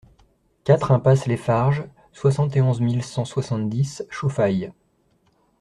quatre impasse Les Farges, soixante et onze mille cent soixante-dix Chauffailles